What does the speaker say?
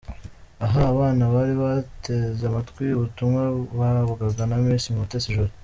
Aha abana bari bateze amatwi ubutumwa bahabwaga na Miss Mutesi Jolly.